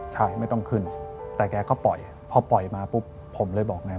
ใช่ไม่ต้องขึ้นแต่แกก็ปล่อยพอปล่อยมาปุ๊บผมเลยบอกไง